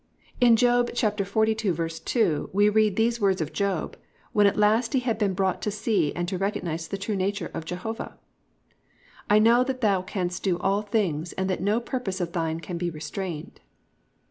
"+ In Job 42:2 we read these words of Job, when at last he has been brought to see and to recognise the true nature of Jehovah: +"I know that thou canst do all things and that no purpose of thine can be restrained."